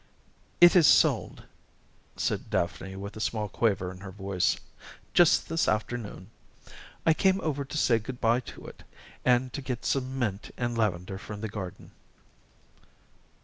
"It is sold," said Daphne, with a small quaver in her voice, "just this afternoon. I came over to say good by to it, and to get some mint and lavender from the garden."